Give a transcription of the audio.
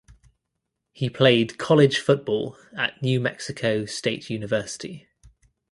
He played college football at New Mexico State University.